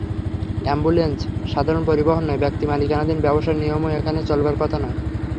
Ambulance সাধারণ পরিবহন নয়, ব্যক্তিমালিকানাধীন ব্যবসার নিয়মও এখানে চলবার কথা নয়।